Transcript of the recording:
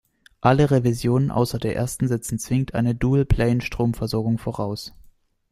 Alle Revisionen außer der ersten setzen zwingend eine Dual-plane-Stromversorgung voraus.